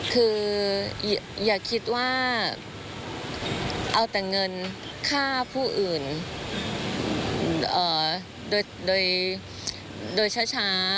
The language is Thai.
คืออย่าคิดว่าเอาแต่เงินฆ่าผู้อื่นโดยช้า